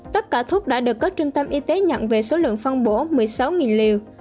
tất cả thuốc đã được các trung tâm y tế nhận về số lượng phân bổ một mươi sáu liều